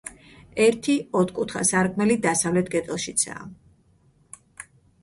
ერთი, ოთხკუთხა სარკმელი დასავლეთ კედელშიცაა.